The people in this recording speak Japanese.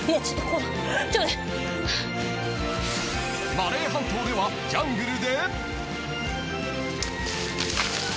［マレー半島ではジャングルで］